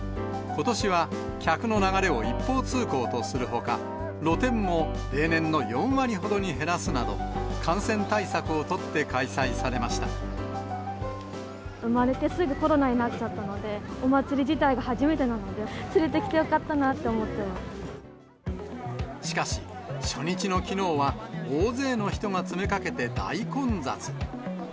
ことしは客の流れを一方通行とするほか、露店も例年の４割ほどに減らすなど、感染対策を取っ生まれてすぐコロナになっちゃったので、お祭り自体が初めてなので、連れてきてよかったなとしかし、初日のきのうは、大勢の人が詰めかけて大混雑。